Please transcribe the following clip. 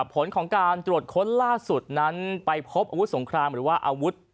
ผลของการตรวจค้นล่าสุดนั้นไปพบอาวุธสงครามหรือว่าอาวุธ